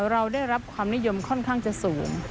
เราได้รับความนิยมค่อนข้างจะสูง